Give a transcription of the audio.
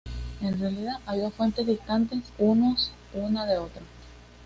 En realidad, hay dos fuentes distantes unos una de otra.